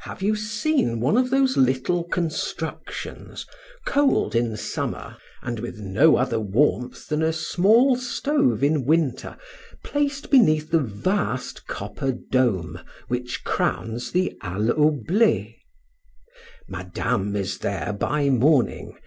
Have you seen one of those little constructions cold in summer, and with no other warmth than a small stove in winter placed beneath the vast copper dome which crowns the Halle auble? Madame is there by morning.